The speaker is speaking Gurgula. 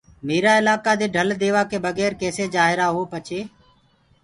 ميرآ الآڪآ دي ڍل ديوآڪي بگير ڪيسي جآهيرآئو پڇي